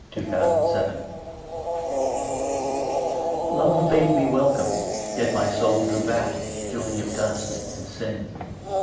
George Herbert Love(III) LOVE bade me welcome; yet my soul drew back, Guilty of dust and sin.